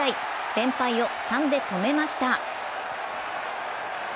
連敗を３で止めました。